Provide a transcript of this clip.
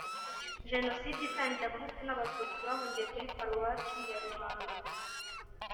Jenoside itangiye abahutu n abatutsi bahungiye kuri paruwasi ya ruhanga